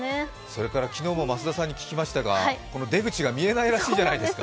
それから昨日も増田さんに聞きましたがこの出口が見えないらしいじゃないですか。